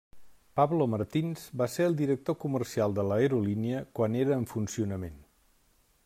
Pablo Martins va ser el director comercial de l'aerolínia quan era en funcionament.